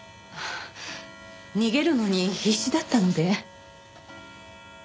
逃げるのに必死だったので。